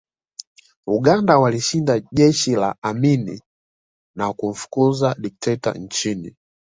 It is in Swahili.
Uganda walishinda jeshi la Amin na kumfukuza dikteta nchini